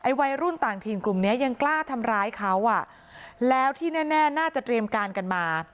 วัยรุ่นต่างถิ่นกลุ่มเนี้ยยังกล้าทำร้ายเขาอ่ะแล้วที่แน่น่าจะเตรียมการกันมา